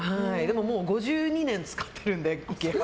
もう５２年使ってるので。